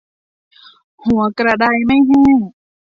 หัวกระไดไม่แห้ง